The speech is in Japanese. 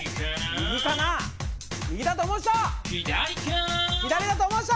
右だと思う人！